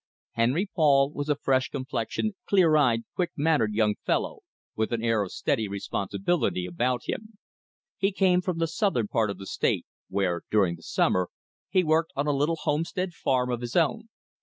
Henry Paul was a fresh complexioned, clear eyed, quick mannered young fellow with an air of steady responsibility about him. He came from the southern part of the State, where, during the summer, he worked on a little homestead farm of his own.